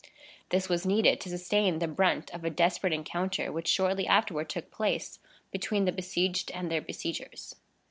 This was needed to sustain the brunt of a desperate encounter which shortly afterward took place between the besieged and their besiegers.